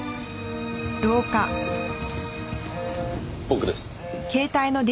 僕です。